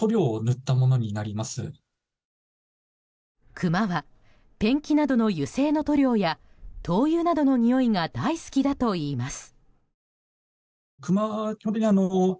クマはペンキなどの油性の塗料や灯油などのにおいが大好きだといいます。